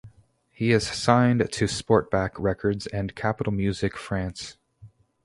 He is signed to Sportback Records and Capitol Music France.